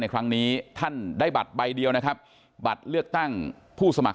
ครั้งนี้ท่านได้บัตรใบเดียวนะครับบัตรเลือกตั้งผู้สมัคร